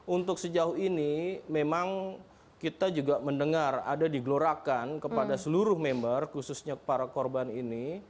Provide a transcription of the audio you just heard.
untuk sejauh ini memang kita juga mendengar ada digelorakan kepada seluruh member khususnya para korban ini